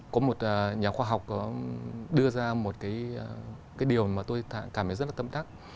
có một nhà khoa học có đưa ra một cái điều mà tôi cảm thấy rất là tâm đắc